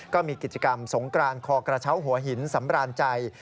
ก็มีกิจกรรมสงกรานคอกระเช้าหัวหินสำราญใจ